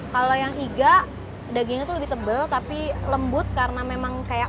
kalau yang iga dagingnya itu lebih tebal tapi lembut karena memang kayak